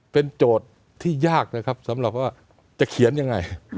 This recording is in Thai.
เป็นโจทย์ที่ยากนะครับสำหรับว่าจะเขียนยังไง